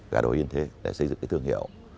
gà đồ yên thế để xây dựng thương hiệu